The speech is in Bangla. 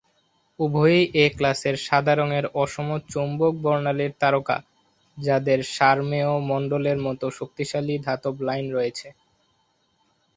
উভয়েই এ-ক্লাসের সাদা রঙের অসম চৌম্বক বর্ণালীর তারকা যাদের সারমেয় মণ্ডলের মত শক্তিশালী ধাতব লাইন রয়েছে।